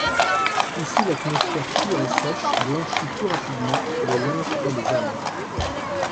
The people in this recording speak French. Ici l’atmosphère pure et sèche blanchit tout rapidement, le linge et les âmes!